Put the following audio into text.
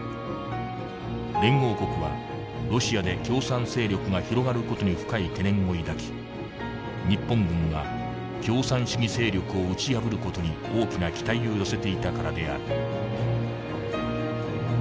連合国はロシアで共産勢力が広がる事に深い懸念を抱き日本軍が共産主義勢力を打ち破る事に大きな期待を寄せていたからである」。